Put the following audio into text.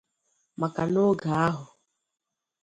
Maka n’oge ahụ